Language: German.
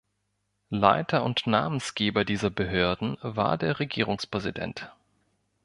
Leiter und Namensgeber dieser Behörden war der Regierungspräsident.